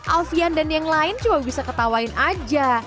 alfian dan yang lain coba bisa ketawain aja